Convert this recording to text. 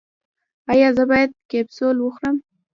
ایا زه باید کپسول وخورم؟